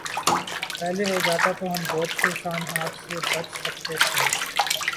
پہلے ہو جاتا تو ہم بہت سے سانحات سے بچ سکتے تھے۔